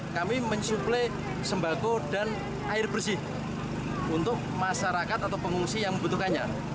kami mensuplai sembako dan air bersih untuk masyarakat atau pengungsi yang membutuhkannya